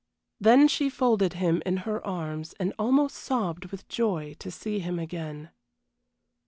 Then she folded him in her arms, and almost sobbed with joy to see him again.